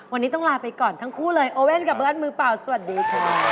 วันนี้ต้องลาไปก่อนทั้งคู่เลยโอเว่นกับเบิ้ลมือเปล่าสวัสดีค่ะ